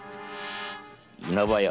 稲葉屋。